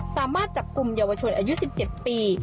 สามารถจับกลุ่มเยาวชนอายุ๑๗ปี